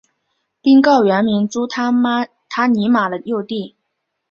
宾告原名朱他玛尼的幼弟。